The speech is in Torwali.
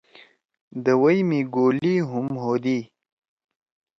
دوَئی می گولی ہُم ہودی۔